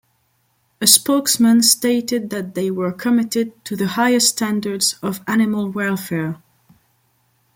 A spokesman stated that they were committed to the "highest standards" of animal welfare.